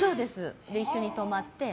一緒に泊まって。